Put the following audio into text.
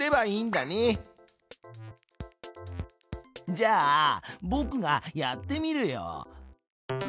じゃあぼくがやってみるよ。